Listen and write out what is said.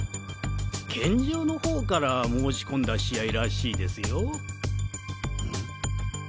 健丈のほうから申し込んだ試合らしいですよ。